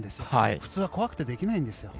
普通は怖くてできないんですよ。